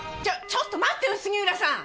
ちょっと待ってよ杉浦さん！